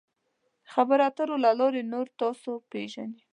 د خبرو اترو له لارې نور تاسو پیژني.